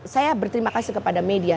saya berterima kasih kepada media